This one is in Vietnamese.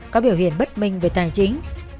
có biểu hiện bất minh về tài chính